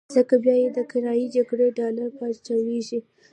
ځکه بيا یې د کرايي جګړې ډالر پارچاوېږي.